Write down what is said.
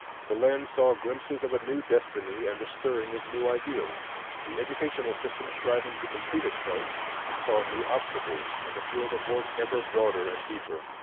The land saw glimpses of a new destiny and the stirring of new ideals. The educational system striving to complete itself saw new obstacles and a field of work ever broader and deeper.